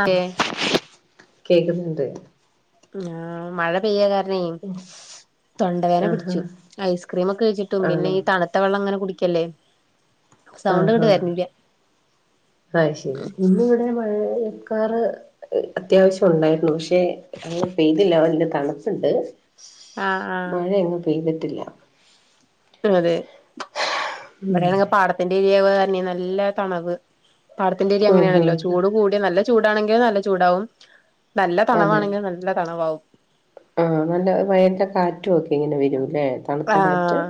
അതെ കേക്ക്ന്ന്ണ്ട് ആഹ് മഴ പെയ്യ കാരണേ തൊണ്ട വേദന ആഹാ പിടിച്ചു ഐസ്ക്രീമ് ഒക്കെ കഴിച്ചിട്ടും പിന്നെ ആണോ ഈ തണു ത്ത വെള്ളം ഇങ്ങനെ കുടിക്കല്ലേ? സൗണ്ട് ആഹ് ഇങ്ങട്ട് ആഹ് വര്ണില്ല അയ് ശരി ഇന്ന് ഇവിടെ മഴ കാ ക്കാർ അത്യാവിശ്യം ഒണ്ടായിരുന്നു പക്ഷേ അങ്ങനെ പെയ്തില്ല വല്യ തണ്പ്പ്ണ്ട് ആഹ് ആഹ് മഴയങ്ങ് പെയ്തിട്ടില്ല അതെ ഇവെടാണെങ്കി പാടത്തിന്റെ ഏരിയായ കാരണെ നല്ല തണവ് പാടത്തിന്റെ ഏരിയ ഉം ഉം അങ്ങനെയാണല്ലോ ചൂട് കൂടിയ നല്ല ചൂടാണെങ്കില് നല്ല ചൂടാവും നല്ല അതെ തണവാണെങ്കി നല്ല തണവാവും ആഹ് നല്ല മയന്റെ കാറ്റ് ഒക്കെ ഇങ്ങനെ വരൂല്ലേ? തണുത്ത കാറ്റ് ആഹ്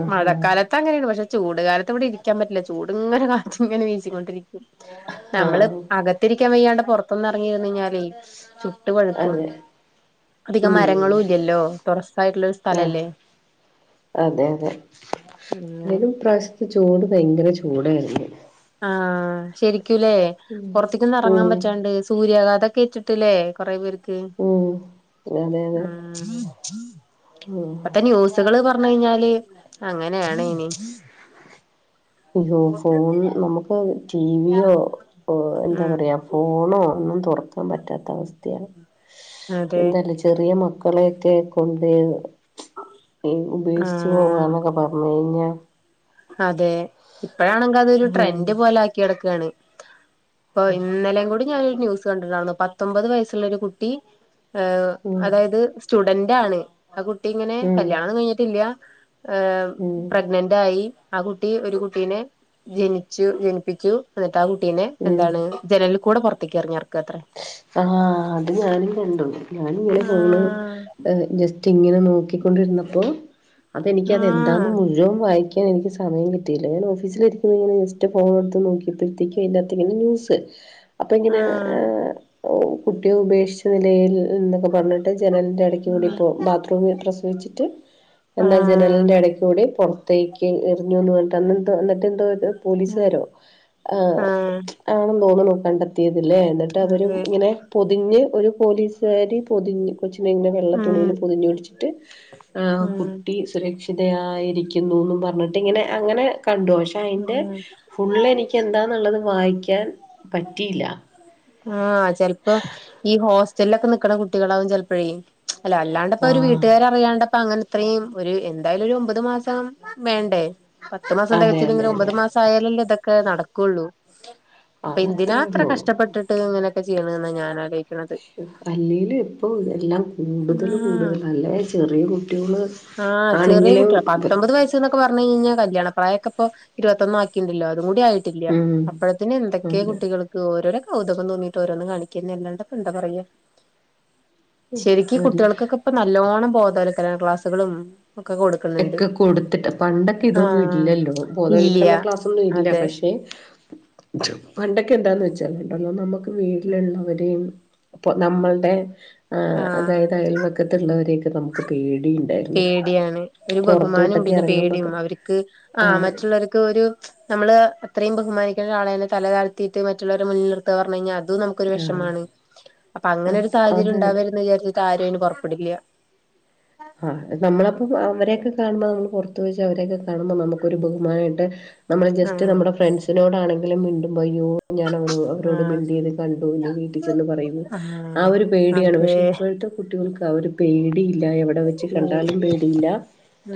ആഹ് ഹാ ത്ത അങ്ങനേണ് പക്ഷെ ചൂട് കാലത്ത് ഇവിടെ ഇരിക്കാൻ പറ്റില്ല ചൂട്ങ്ങനെ കാറ്റ് ഇങ്ങനെ വീശി കൊണ്ട് ഇരിക്കും നമ്മള് ആഹ് അകത്ത് ഇരിക്കാൻ വയ്യാണ്ട് പൊറത്തൊന്ന് എറങ്ങി ഇരിന്ന് കഴിഞ്ഞാലേ ചൂ ട്ട് പഴുക്കും അതെ അധികം ഉം മരങ്ങളും ഇല്ല്യല്ലോ? ആഹ് അതെ അതെ അങ്ങനെ അല്ലേലും ഈ പ്രവ് ശ്യം ചൂട് ഭയങ്കര ചൂടായിരുന്നു ആഹ് ശരിക്കൂല്ലേ? പൊറത്തിക്കൊന്നും എറങ്ങാം ഉം പറ്റാണ്ട് സൂര്യാഘാതൊക്കെ ഏറ്റ്ട്ട്ല്ലേ കൊറേ പേർക്ക് ഉം അതെ ക്ക് അതെ ആഹ് ഉം ഇപ്പത്തെ ന്യൂസ് കള് പറഞ്ഞഴിഞ്ഞാല് അങ്ങനേണയിന് അയ്യോ ഫോൺ നമുക്ക് ടിവിയോ ഓഹ് എന്താ ഉം പറയാ ഫോണോ, ഒന്നും തൊറക്കാൻ പറ്റാത്ത അവസ്ഥയാ അതെ എന്താലെ? ചെ റിയ മക്കളെയെക്കെ കൊണ്ട് ഈ ഉപേക്ഷിച്ചു ആഹ് പോവാന്നൊക്കെ പറഞ്ഞ്ഴിഞ്ഞാ അതെ ഇപ്പഴാണെങ്കി അതൊരു ഉം ട്രെൻഡ് പോലെ ആക്കി നടക്കാണ് ഇപ്പൊ ഇന്നലേം കൂടി ഞാനൊരു ന്യൂസ് കണ്ട് ണ്ടാര്ന്ന് പത്തൊമ്പത് വയസ്സുള്ളൊരു കുട്ടി ഏഹ് ഉം അതായത് സ്റ്റുഡന്റാണ് ആ കുട്ടി ഇങ്ങനെ ഉം കല്യാണം ഒന്നും കഴിഞ്ഞിട്ടില്ല്യ ഏഹ് ഉം പ്രഗ്നന്റായി ആ കുട്ടി ഒരു കുട്ടീനെ ജനിച്ചു ജനിപ്പിച്ചു എന്നിട്ട് ആ കുട്ടീനെ ഉം എന്താണ് ജനലിൽ കൂടെ പൊറത്തേക്ക് എർഞ്ഞർ ഞ്ഞ് ആഹ് അത് ഞാനും കണ്ടു ഞാന്ങ്ങനെ ഫോണ് ല് ആഹ് ജസ്റ്റ് ഇങ്ങനെ നോക്കിക്കൊണ്ടിരുന്നപ്പോ അതെനിക്കത് എ ന്താന്ന് ആഹ് മുഴുവൻ വായിക്കാ എനിക്ക് സമയം കിട്ടയില്ല ഞാൻ ഓഫീസിലിരിക്കുന്ന ഇങ്ങനെ ജസ്റ്റ് ഫോണട്ത്ത് നോക്കിയപ്പഴത്തേക്കും പിന്നത്തിന് ന്യൂസ് അപ്പയിങ്ങനെ ആഹ് ഏഹ് കുട്ടിയെ ഉപേക്ഷിച്ച നിലയിൽ എന്നൊക്കെ പറഞ്ഞിട്ട് ജനലിന്റെ ഇടയ്ക്ക് കൂടി ഇപ്പോ ബാ ത്ത്റൂമിൽ പ്രസവിച്ചിട്ട് എന്താ ജനലിന്റെ ആഹ് എടയ്ക്ക് കൂടി പൊറത്തേക്ക് എറിഞ്ഞൂന്ന് പറഞ്ഞിട്ട് അന്നന്തോ എന്നിട്ട് എന്തോ പോലീസുകാരോ ആഹ് ആണെന്ന് തോന്നുന്നു കണ്ടെത്തിയത് ഇല്ലേ എന്നിട്ട് അവര് അതെ ഇങ്ങനെ പൊതിഞ്ഞ് ഒരു പോലീസുകാരി പൊതിഞ് കൊച്ച് നെ ഉം വെള്ളത്തുണിയില് പൊതിഞ്ഞ് പിടിച്ചിട്ട് ആ ഉം കുട്ടി സ് സുരക്ഷിതയായിരിക്കുന്നുന്ന് പർഞ്ഞിട്ട് ഇങ്ങനെ അങ്ങനെ കണ്ടു പക്ഷെ അയിന്റെ ഉം ഫുള്ള് എനിക്ക് എന്താന്ന്ള്ളത് വായിക്കാൻ പറ്റിയില്ല ആഹ് ചെൽപ്പം ഈ ഹോസ്റ്റലിലൊക്കെ നിക്ക്ണ കുട്ടികളാകും ചെൽപ്പഴേ അല്ല അല്ലാണ്ടപ്പോ ഒരു ആഹ് വീട്ടുകാര് അറിയാണ്ട പ്പ അങ്ങനത്രേം ഒരു എന്തായാലും ഒരു ഒമ്പത് മാസം വേണ്ടേ പത്ത് മാസം അതെ അതെ തികച്ചില്ലങ്കിലും അതെ ഒമ്പത് മാസായാലല്ലേ ഇതൊക്കെ നടക്കുള്ളൂ അപ്പ എന്തിനാ അതത്രേ ഇത്ര ഉള്ളൂ കഷ്ടപ്പെട്ടിട്ട്ങ്ങനൊക്കെ ചെയ്യാണുനാ ഞാനാലോയി അല്ലേലു ഇപ്പൊ എല്ലാം കൂടുതല് ആഹ് കൂടുതല് അല്ലേ ചെറീയ കുട്ടിയോള് ആണെങ്കിലും [unintelligible] ന്നൊക്കെ പറഞ്ഞ്ഴിഞ്ഞാ കല്ല്യാണ പ്രായൊക്കപ്പൊ ഇരുവത്തൊന്നാക്കിണ്ടല്ലോ അതും കൂടി ആയി ട്ടില്ല ഉം അപ്പഴത്തിന് എന്തൊക്കെയ അതെ കുട്ടികൾക്ക് ഓരോര കൗതുക്കം തോന്നിട്ട് ഓരോന്നും കാണിക്കെന്ന അല്ലാണ്ടപ്പന്താ പറിയാ ശരിക്ക് വലിയ കുട്ടിയൾക്കൊക്കെ ഇപ്പ നല്ലോണം ബോതവൽക്കരണ ക്ലാസ്സുകളും ഒക്കെ കൊട് എക്കെ കൊടുത്തിട്ട് പണ്ടെക്കെ ഇതൊന്നും ആഹ് ഇല്ലല്ലോ ഇല്ല്യ ബോധവൽക്കരണ ക്ലാസ്സൊന്നും ഇല്ല അതെ പക്ഷെ പണ്ടക്കെ എന്താന്ന് വെച്ചാല് ഇണ്ടല്ലോ നമുക്ക് ഉം വീട്ടിലുള്ളവരെയും ഇപ്പ നമ്മൾടെ ആഹ് അതായത് അയൽവക്കത്ത്ള്ളവരെയൊക്കെ നമുക്ക് പേടിം പേടിയാണ് ഒരു ബഹുമാനം പിന്നെ പേടിം ഇറങ്ങുമ്പോക്കെ അവരിക്ക് ആഹ് മറ്റുള്ളവർക്ക് ഒരു നമ്മള് അത്രയും ബഹുമാനിക്കുന്നരാളെലെ തല താഴ്ത്തീട്ട് മറ്റുള്ളവരെ മുന്നിൽ നിർത്താ പറഞ്ഞഴിഞ്ഞാ അതും നമു ക്കൊരു ആഹ് വെഷമാണ് അപ്പ അങ്ങനെ ഒരു അപ്പ സാഹചര്യം അത് ഉണ്ടാവരുത് ന്നു വിചാരിച്ചിട്ട് ആരും അയിന് പുറപ്പെടില്ല്യ ആഹ് നമ്മളപ്പം അവരൊക്കെ കാണുമ്പോ നമ്മൾ പുറത്ത് വെച്ച അവരൊക്കെ കാണുമ്പോ നമുക്കൊരു ബഹുമാനണ്ട് നമ്മള് ജസ്റ്റ് ആഹ് നമ്മുടെ ഫ്രണ്ട്സിനോടാണെങ്കിലും മീണ്ടുംബയ്യോ ഞാനവരോ അവരോട് ആഹ് മിണ്ടിയത് കണ്ടു ഇഞ്ഞ് വീട്ടിൽ ചെന്ന് പറയുവോ ആ ആഹ് ഒരു പേടിയാണ് അതെ പക്ഷെ ഇപ്പഴത്തെ കുട്ടികൾക്ക് ആ ഒരു പേടി ഇല്ല എവിടെ വെച്ചു കണ്ടാലും പേടിയാ പേടയില്ല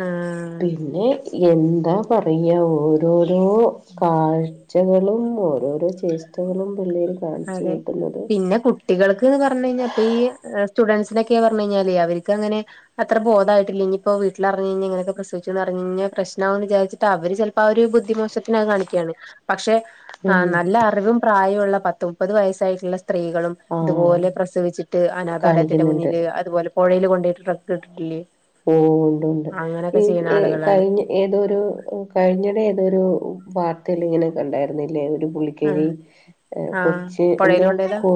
ആഹ് പിന്നെ എന്താ പറയാ ഓരോരോ കാഴ്ചകളും ഓരോരോ [unintelligible] പിള്ളേര് കാണിച്ച് കൂട്ടുന്നത് കുട്ടികൾക്ക് ന്നു പറഞ് കഴിഞ്ഞാൽപ്പ ഈ ഏയ് സ്റ്റുഡൻസിനൊക്കെ പറ്ഞ് കഴിഞ്ഞാല് അവരിക്ക് അങ്ങനെ അത്ര ബോധായിട്ടില്ല ഇഞ്പ്പോ വീട്ടിലറിഞയ്ഞ്ഞാ ഇങ്ങനൊക്കെ പ്രസവിച്ചു അറിഞ് പ്രശനാന്ന് വിചാരിച്ചു അവര് ചെൽപ്പോ അവര് ബുദ്ധിമോശത്തിന് അത് കാണിക്കാണ് പക്ഷെ ഉം ആഹ് നല്ല അറിവും പ്രായുള്ള പത്ത് മുപ്പത് വയസ്സായിട്ടുള്ള സ്ത്രീകളും ആഹ് ഇതുപോലെ പ്രസവിച്ചിട്ട് അനാഥാലയത്തിന്റെ കാണിക്കുന്നുണ്ട്. മുന്നില് അതുപോലെ പൊഴല് കൊണ്ടെട്ട് ട്രക്ക് ഇട്ടിട്ടില്ലേ ഓണ്ട്ണ്ട് ഈ അങ്ങനൊക്കെ ചെയ്യണ ഏയ് ആളുകളാണ് കഴിഞ്ഞ ഏതോരു കഴിഞ്ഞടെ ഏതൊരു വാർതെല് ഇങ്ങനെ കണ്ടാര്ന്നില്ലേ ഒരുപുള്ളി ആഹ് ക്കേരി ഏയ് ആഹ് കൊച് പൊഴേല് എന്തോ കൊണ്ടോയതാ കോ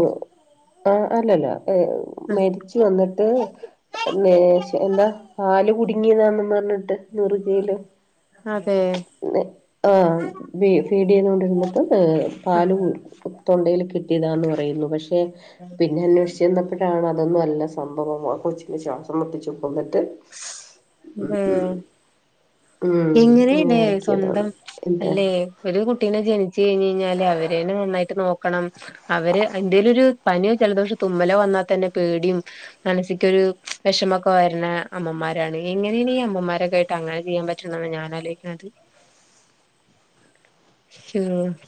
ആഹ് അല്ലല്ല മരിച്ച് വന്നിട്ട് മേശ എന്താ പാല് കുടുങ്ങിന്നന്നു പറഞ്ഞിട്ട് നുറുകീല് അതെ ആഹ് ബീ ഫീഡ് ചെയ്നോണ്ടിരുന്നപ്പോ ആം പാല് തൊണ്ടയില് കിട്ടിയതാന്ന് പറയുന്നു പക്ഷെ പിന്നെ അന്വേഷിച്ചു ചെന്നപ്പഴ് താണ് അതൊന്നും അല്ല സംഭവം ആ കൊച്ചിന് ശ്വാസം മുട്ടിച്ചു കൊന്നിട്ട് ഉം ഉം അങ്ങനെ ഇങ്ങനെല്ലേ ആക്കിയതാണ് സ്വന്തം എന്താ അല്ലേ ഒരു കുട്ടീനെ ജൻച്ച് യ്ഞ്ഞ് ഞ്ഞാല് അവരനെ നന്നായിട്ട് നോക്കണം അവര് എന്തെലോര് പനിയോ ജലദോഷോ തുമ്മലോ വന്നാ തന്നെ പേടിയും മനസ്സിക്കൊരു വിഷമൊക്കെ വരുന്ന അമ്മമാരാണ് എങ്ങനെ അമ്മമാരൊക്ക ആയിട്ട് അങ്ങനെ ചെയ്യാൻ പറ്റ റ്റ്ണെ ന്നാ ഞാനാലോയ്ക്ണെ അത്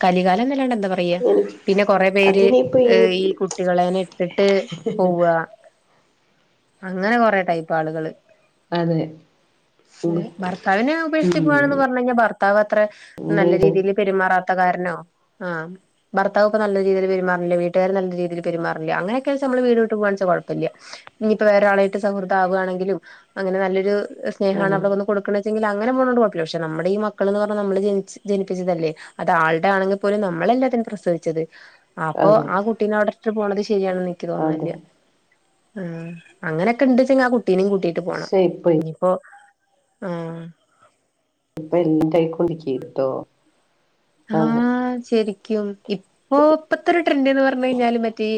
കലികാലംന്നല്ലാണ്ട എന്താ പറ പയ്യ എനിക്ക് പിന്നെ കൊറെ പേര് ഏ ഈ കുട്ടികളനെ ഇട്ടിട്ട് പോവാ അങ്ങനെ കൊറെ ടൈപ്പ് ആളുകള് അതെ ഉം ഏ ഭർത്താവിനെ ഉപേക്ഷിച് പൊവാണന്ന് ഉം പറ്ഞ്ഞഴിഞ്ഞാൽ ഭർ ത്താവ് അത്ര നല്ല രീതിൽ പെരുമാറാത്ത കാരണോ ആഹ് ഭർത്താവ് പ്പ നല്ല രീതിൽ പെരുമാറില്ല വീട്ട്കാര് നല്ല രീതിൽ പെരുമാറില്ല അങ്ങനൊക്കെ ആണ്ച്ചാ നമ്മള് വീട് വിട്ട് പോവാണ്ച്ചാ കൊഴപ്പല്ല ഇഞ്പ്പോ വേറൊരാളായിട്ട് സൗഹൃദം ആവാണെങ്കിലും അങ്ങനെ നല്ലൊരു അതെ സ്നേഹാണ് അവിടെവന്ന് കൊടുക്ണെചെങ്കില് അങ്ങനെ പൊണോണ്ട് കൊഴപ്പില്ല പക്ഷ നമ്മടെ ഈ മക്കള് ന്ന് പറ്ഞാ നമ്മള് ജനിച്ച് പ്പിച്ചതെല്ലേ അത് ആളുടെ ആണെങ്കിൽ പോലും നമ്മളല്ലേ അതിനെ പ്രസവിച്ചത് അപ്പോ അതെ ആ കുട്ടി ട്ടിനെ അവടെട്ട് പോണത് ശരിയാണന്ന് നിക്ക് അതെ തോന്നനില്ല ആഹ് അങ്ങനൊക്കെണ്ട്ചെങ്കി ആ കു ട്ടിന്നിം കൂട്ടിയിട്ട് പോണം പക്ഷെ ഇപ്പൊ ഇനിയിപ്പോ ആഹ് [unintelligible] അതെ ആഹ് ശരിക്കും ഇപ്പൊ ഇപ്പത്തെ ഒരു ട്രെൻഡ്ന്ന് പറ്ഞ്ഞയ്ഞ്ഞാല് മറ്റേ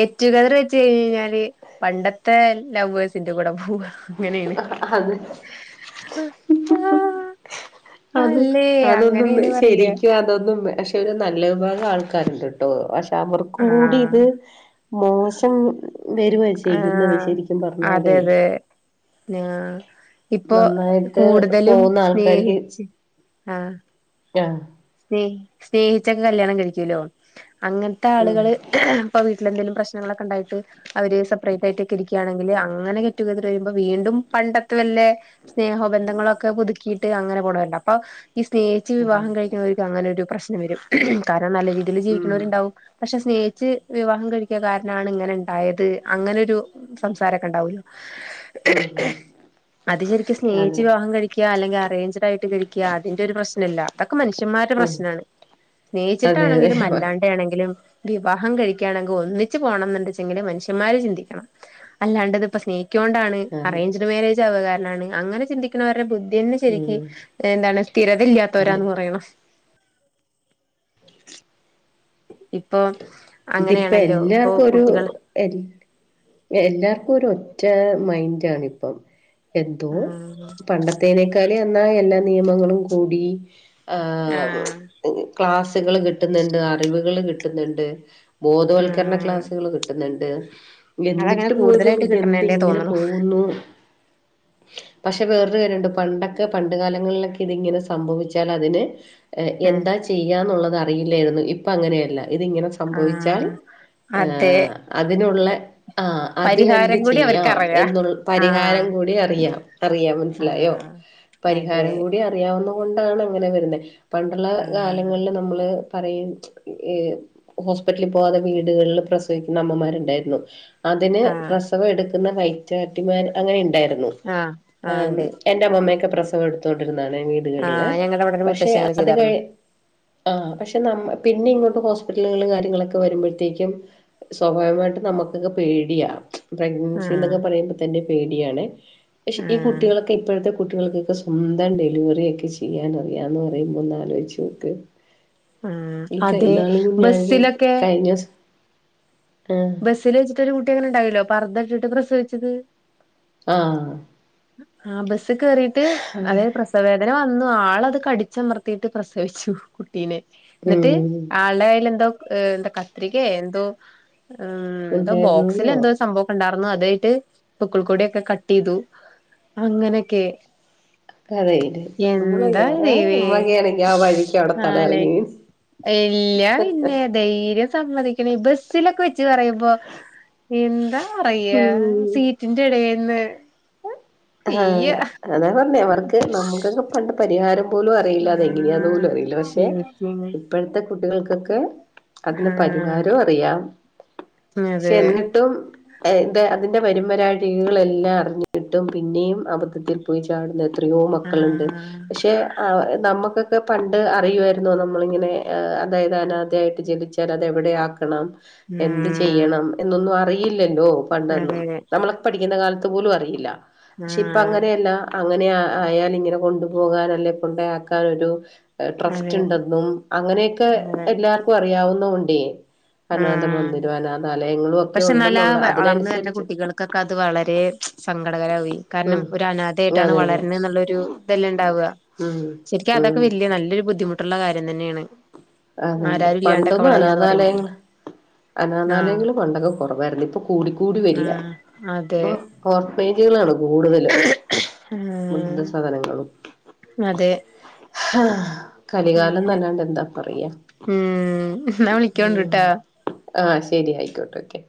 ഗെറ്റ് ടുഗതറ് വെച്ച് കഴിഞ്ഞ് കഴിഞ്ഞാല് പണ്ടത്തെ ലവ്വേഴ്സിന്റെ കൂടെ പോവ ങ്ങനെയാണ് അത് അത് അതൊന്നും പറയാ ശരിക്കും അതൊന്നും ശെരിക്കും ഒരു നല്ല വിഭാഗം ആൾക്കാരുണ്ട് ട്ടോ പക്ഷെ അവർക്കും കൂടി ഇത് ആഹ് മോശം പേര് ചെയ്യുന്നത് ആഹ് ശരിക്കും പറ്ഞ്ഞാല് അതെ അതെ ആഹ് ഇപ്പോ നന്നായിട്ട് കൂടുതലും പോകുന്ന ആൾക്കാർക്ക് സ്നേഹിച്ച് ആഹ് ആഹ് സ്നേഹ സ്നേഹിച്ചൊക്കെ കല്യാണം കഴിക്കുല്ലോ അങ്ങൻത്തെ ആള്കള് ഉം ഇപ്പൊ വീട്ടിലെന്തെങ്കിലും പ്രശ്നങ്ങളൊക്കെ ണ്ടായിട്ട് അവര് സെപ്പറേറ്റ് ആയിട്ടൊക്കെ ഇരിക്ക്യാണെങ്കില് അങ്ങനെ കെറ്റുകതർ വരുമ്പോ വീണ്ടും പണ്ടത്തെ വല്ലെ സ്നേഹോ ബന്ധങ്ങളോ ഒക്കെ പുതുക്ക്കീട്ട് അങ്ങനെ പോകണമായിരുന്നു സ്നേഹിച്ച് വിവാഹം കഴിക്ക ചെലോർക്ക് അങ്ങനൊരു പ്രശ്നം വരും കാരണം നല്ല രീതിയിൽ ഉം ജീവിക്ക് ണ വര്ണ്ടാവും പക്ഷെ സ്നേഹിച്ച് വിവാഹം കഴിക്കാ കാരനാണ് ഇങ്ങനെ ഇണ്ടായത് അങ്ങനൊരു സംസാരൊക്കെ ഉണ്ടാവുമല്ലോ ഉം ഉം അത് ശരിക് സ്നേഹിച്ച് അതെ വിവാഹം കഴി ക്കാ അല്ലെങ്കി അറേഞ്ച്ഡയ്ട്ട് കഴിക്ക അതിന്റൊരു പ്രശ്നല്ല ക്കെ മനുഷ്യന്മാരുടെ ഉം പ്രശ്നാണ് അതെ സ്നേഹിച്ചിട്ടാണെങ്കിലും അതെ അല്ലാണ്ടാണെങ്കിലും വിവാഹം കഴിക്കാണെങ്കി ഒന്നിച്ച് പോണം ന്ന്ണ്ട്ച്ചെങ്കില് മനുഷ്യന്മാര് ചിന്തിക്കണം അല്ലാത് പ്പ സ്നേഹിക്കൊണ്ടാണ് അതെ അറേഞ്ച്ഡ് മാരേജ് ആവകാരനാണ് അങ്ങനെ ചിന്തി ണോരുടെ ബുദ്ധിയന്നെ ശരിക്ക് ഉം ന്താണ് ഇല്ല സ്ഥിരതല്ല്യത്തവരാന്ന് പറയണം ഇപ്പൊ അങ്ങനെയാണല്ലോ ഇപ്പൊ ഇതിപ്പെല്ലാർക്കു ഒരു കുട്ടികൾ എ എല്ലാർക്കു ഒരൊറ്റ മൈൻഡാണിപ്പം എന്തോ ആഹ് പണ്ടത്തേനേക്കാല് എന്നാ എല്ലാ നിയമങ്ങളും കൂടി ആഹ് ക്ലാസ്കള് കിട്ട്ന്ന്ണ്ട് അറിവ്കള് കിട്ട്ന്ന്ണ്ട് ബോധവൽക്കരണ ആഹ് ക്ലാസ്കള് കിട്ട്ന്ന്ണ്ട് അതങ്ങനെ എന്നിട്ട് പോലും കൂടുതലായിട്ട് തെന്ത് കിട്ടണേണ്ടേ ഇങ്ങനെ തോന്നണു പോകുന്നു പക്ഷെ വേറൊരു കാര്യണ്ട് പണ്ടൊക്കെ പണ്ട് കാലങ്ങളിലൊക്കെ ഇതിങ്ങനെ സംഭവിച്ചാലതിന് ആഹ് എന്താ ചെയ്യാ ന്നുള്ളത് അറിയില്ലായ്രുന്നു ഇപ്പങ്ങനെയല്ല ഇതിങ്ങനെ സംഭവിച്ച ആഹ് അതെ അതിനുള്ള ആഹ് അതിനെന്ത് പരിഹാരം കൂടി ചെയ്യാം അവർക്കറിയാ എന്നുൾ പരിഹാരം ആഹ് കൂടി അറിയാം അറിയാം മൻസ്സിലായോ ആഹ് അതെ പരിഹാരം കൂടി അറിയാവുന്ന കൊണ്ടാണ് ങ്ങനെ വരുന്നെ പണ്ടുള്ള ആഹ് കാലങ്ങളില് നമ്മള് പറയും ഹോസ്പിറ്റലി പോവാതെ വീട്കളില് പ്രസവിക്കുന്ന അമ്മമാരുണ്ടായ്രുന്നു അതിന് ആഹ് പ്രസവഎട്ക്ണ വൈറ്റാട്ടിമാര് അങ്ങനെ ണ്ടായ്രുന്നു ആഹ് ആഹ് ഇണ്ട് എന്റെ മമ്മക്കെ പ്രസവം എടുത്തോണ്ടിരുന്നാണ് വീടുകളില് ആഹ് ഞങ്ങടെ ഇവിടെ ഒരു പക്ഷെ മുത്തശ്ശി അങ്ങനെ അത് ചെയ്താർന്നു കഴി ആഹ് പക്ഷെ നമ്മ പിന്നെ ഇങ്ങോട്ട് ഹോസ്പിറ്റലകൾ കാര് ര്യങ്ങളൊക്കെ വരുമ്പഴത്തേക്കും സ്വാഭാവമായ്ട്ടും നമ്മക്കൊക്കെ പേടിയാ പ്രഗ്നൻസി ആഹ് ന്നൊക്കെ പറയുമ്പ തന്നെ പേടിയാണെ ഷെ ഈ ആഹ് കുട്ടികളൊ പ്പിപ്പഴത്തെ കുട്ടികൾക്കൊക്കെ സ്വന്തം ഡെലിവറിയൊക്കെ ചിയ്യാനറിയാ ന്ന് പറയുമ്പം ഒന്നാലോയ്ച്ചോക്ക് ആഹ് ഈ കൈ അതെ ന്നാളൂകുടി ഞാനൊര് ബസ്സിലൊക്കെ കഴിഞ്ഞൂസം ആഹ് സ്സില് വെച്ചട്ടൊരു കുട്ടി അങ്ങനണ്ടായല്ലോ പർദ്ദട്ട്ട്ട് പ്രസവിച്ചത് ആഹ് ആഹ് ബസ്സ് കേറീട്ട് അതേ പ്രസ് സവവേദന വന്നു ആളത് കടിച്ചമർത്തീട്ട് പ്രസവിച്ചു കുട്ടീനെ ന്നട്ട് ഉം ആൾടെ കയ്യില് ന്തോ ഏ ന്താ കത്രികേ ന്തോ ഉം ന്ത ഉണ്ടായിരുന്നുന്നോ ബോക്സിലെന്തോ സംഭവൊക്കണ്ടാർന്നു അതേട്ട് പൂക്കൾ കൊടിഒക്കെ കട്ടീതു അങ്ങനക്കെ കഥയില് എന്താ നമ്മളൊക്കെ ദൈവേ നമ്മളൊക്കെയാണെങ്കി ആ വഴിക്ക് അവിടെ ആഹ് ലേ തലകറങ്ങി വീഴും ഇല്ലാ വിന്നെ ധൈര്യം സമ്മതിക്കണീ ബസിലൊക്കെ വെച്ച് പറയുമ്പോ എന്താ ഉം പറയാ സീറ്റിന്റെ എടെന്ന് ആഹ് അതാ പർഞ്ഞെ അവർക്ക് നമുക്കൊക്കെ പണ്ട് പരിഹാരം പോലു അറിയില്ല അതെങ്ങനെയാന്ന് പോലും ആഹ് അറിയില്ല പക്ഷെ ശരിക്കും ഇപ്പഴ്ത്തെ കുട്ടികൾക്കൊക്കെ അതിന് ആഹ് പരിഹാരം അറിയാം അതെ എന്നിട് ട്ടും അതിന്റെ വരുമ്പരാഴികൾ എല്ലാം അറിഞ് പിന്നെയും അബദ്ധത്തിൽ പോയി ചാട്ന്ന എത്രയോ മക്കള്ണ്ട് ആഹ് പക്ഷെ നമുക്കൊക്കെ പണ്ട് അറിയുവായ്ര്ന്നോ നമ്മളിങ്ങനെ അതായത് അനാദയായ്ട്ട് ജനിച്ചു ചാലതെവടെ ആക്കണം എന്ത് ഉം ചെയ്യണം എന്നൊന്നു അറിയില്ലല്ലോ പണ്ടൊന്നും അതെ ആഹ് നമ്മള പഠിക്കുന്ന കാൽത്ത് പോലു അറിയില്ല ഷിപ്പ അങ്ങനെയല്ല അങ്ങനെ ആയാലിങ്ങനെ കൊണ്ടുപോകാനല്ലെ കൊണ്ടയാക്കാനൊരു അതെ ട്രസ്റ്റ് ണ്ടെന്നും അങ്ങനെയൊക്കെ അതെ എല്ലാർക്കും അറിയാവുന്നോണ്ടേ അനാഥ ആഹ് മന്തിരും അനാഥാലയങ്ങളും ഒക്കെ ഉണ്ടെന്നുള്ള അതിനനുസരിച്ച് ക്കെക്ക്‌ അത് വളരെ സങ്കടകരാവയി കാരണം ഉം ഒരു അനാഥയായിട്ടാണ് അതെ അതെ വളരുന്നത് എന്നുള്ളരു ഇതെല്ലാം ഉണ്ടാവുക ഉം ശരിക്കും ഉം അതൊക്കെ വല്യ നല്ലൊരു ബുദ്ധിമുട്ടുള്ള കാര്യം തന്നെയാണ് അതെ അതെ ആരാല്ലാണ്ടൊക്കെ വളയയാന്ന് പറയുമ്പളേ അനാഥാലയങ്ങള് പണ്ടൊക്കെ കുറവായിരുന്നു ഇപ്പൊ കൂടിക്കൂടി വരിക ആഹ് അതെ അപ്പൊ കോർ പേജുകളാണ് കൂടുതലും ആഹ് വൃദ്ധസധനങ്ങളും അതെ ആഹ് അങ്ങനെ കലികാലന്നല്ലാണ്ട് എന്താ പറയാ ഉം ന്നാ ഉം വളിക്കണ്ടട്ടാ ആഹ് ശെരി ആയിക്കോട്ടെ ക്കെ